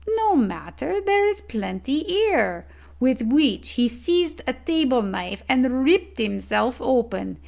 No matter; there is plenty here;' with which he seized a table knife and ripped himself open.